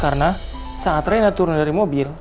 karena saat rina turun dari mobil